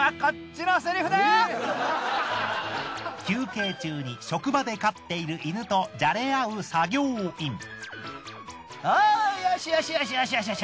休憩中に職場で飼っている犬とじゃれあう作業員。